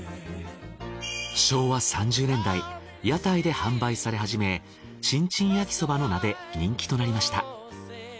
昭和３０年代屋台で販売され始めチンチン焼きそばの名で人気となりました。